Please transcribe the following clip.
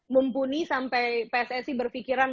mumpuni sampai pssi berpikiran